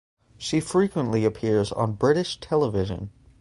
She frequently appears on British television.